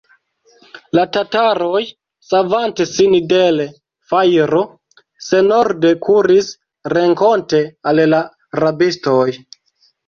La tataroj, savante sin de l' fajro, senorde kuris renkonte al la rabistoj.